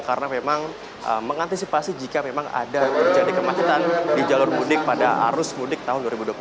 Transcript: karena memang mengantisipasi jika memang ada terjadi kemacetan di jalur mudik pada arus mudik tahun dua ribu dua puluh tiga